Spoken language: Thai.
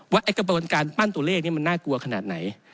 ไอ้กระบวนการปั้นตัวเลขนี้มันน่ากลัวขนาดไหน